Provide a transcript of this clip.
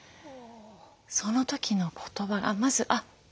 その時の言葉がまずあっいいんだ。